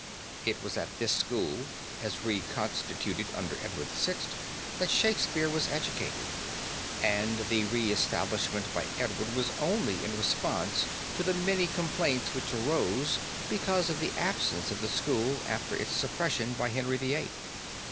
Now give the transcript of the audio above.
It was at this school, as reconstituted under Edward VI., that Shakespeare was educated, and the reestablishment by Edward was only in response to the many complaints which arose because of the absence of the school after its suppression by Henry VIII.